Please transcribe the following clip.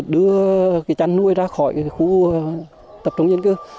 đưa cái chăn nuôi ra khỏi cái khu tập trung nhân cư